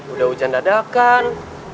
udah hujan dadakan